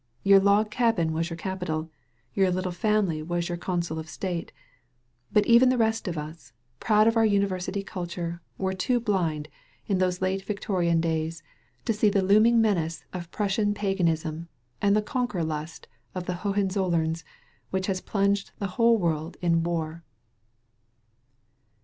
Your log cabin was your capitol. Your little family was your council of state. Even the rest of us, proud of our university culture, were too blind, in those 164 SKETCHES OF QUEBEC late Victorian days, to see the looming menace of Prussian paganism and the conquer Iust of the HohenzoUemS) which has plunged the whole worid in war.